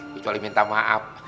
kecuali minta maaf